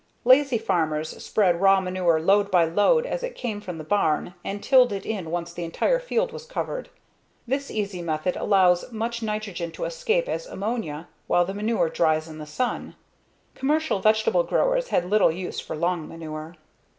Lazy farmers spread raw manure load by load as it came from the barn and tilled it in once the entire field was covered. This easy method allows much nitrogen to escape as ammonia while the manure dries in the sun. Commercial vegetable growers had little use for long manure.